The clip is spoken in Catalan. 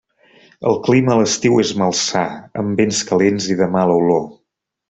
El clima a l'estiu és malsà, amb vents calents i de mala olor.